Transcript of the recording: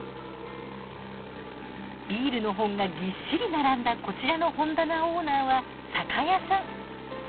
ビールの本がぎっしり並んだこちらの本棚オーナーは酒屋さん。